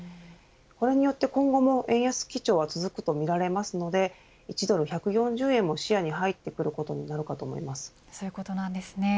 これによって今後も、円安基調は続くとみられますので１ドル１４０円も視野に入ってくることになるかとそういうことなんですね。